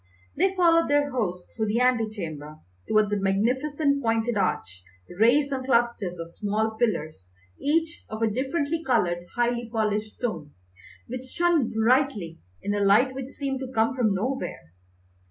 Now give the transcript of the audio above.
They followed their host through the ante chamber towards a magnificent pointed arch raised on clusters of small pillars each of a differently coloured, highly polished stone, which shone brilliantly in a light which seemed to come from nowhere.